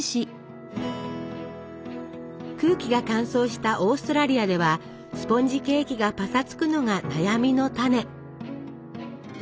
空気が乾燥したオーストラリアではスポンジケーキがパサつくのが悩みのタネ。